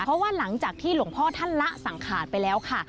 เพราะว่าหลังจากที่หลวงพ่อท่านละสังขารไปแล้วค่ะ